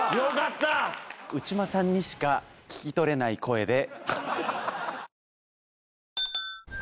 内間さんにしか聞き取れない声で。